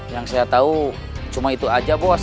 yang saya tahu cuma itu aja bos